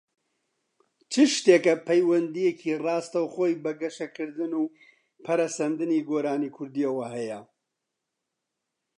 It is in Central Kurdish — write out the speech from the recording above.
چ شتێکە پەیوەندییەکی ڕاستەوخۆی بە گەشەکردن و پەرەسەندنی گۆرانیی کوردییەوە هەیە؟